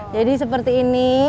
jadi seperti ini